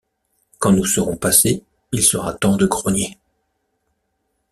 Quand nous serons passés, il sera temps de grogner!